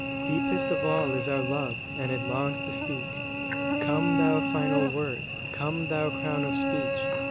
Deepest of all is our love, and it longs to speak. "Come, thou final word; Come, thou crown of speech!